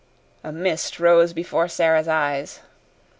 A mist rose before Sara's eyes.